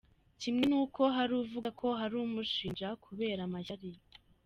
Kimwe n’uko hari uvuga ko hari umushinja kubera amashyari.